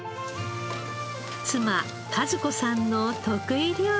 妻佳寿子さんの得意料理は。